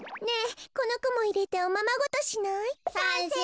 ねえこのこもいれておままごとしない？